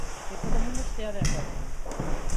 Que todo o mundo estea de acordo.